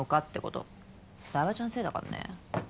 台場ちゃんのせいだからね。